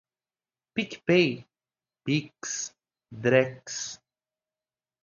PicPay, Pix, Drex